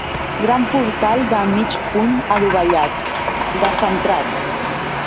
Gran portal de mig punt adovellat, descentrat.